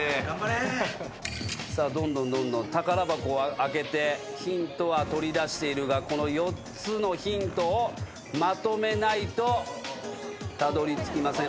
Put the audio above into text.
どんどん宝箱を開けてヒントは取り出しているがこの４つのヒントをまとめないとたどりつきません。